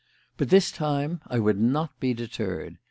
But this time I would not be deterred.